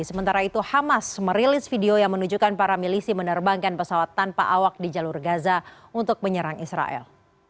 sementara itu hamas merilis video yang menunjukkan para milisi menerbangkan pesawat tanpa awak di jalur gaza untuk menyerang israel